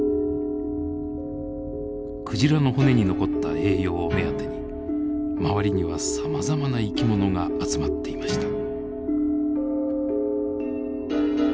クジラの骨に残った栄養を目当てに周りにはさまざまな生き物が集まっていました。